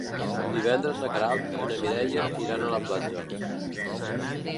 Divendres na Queralt i na Mireia iran a la platja.